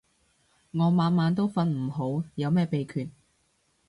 我晚晚都瞓唔好，有咩秘訣